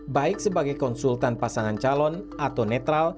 baik sebagai konsultan pasangan calon atau netral